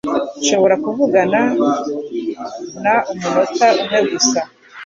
Nshobora kuvugana na umunota umwe gusa?